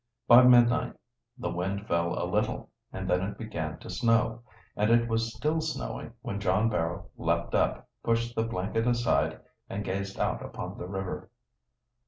By midnight the wind fell a little, and then it began to snow, and it was still snowing when John Barrow leaped up, pushed the blanket aside, and gazed out upon the river.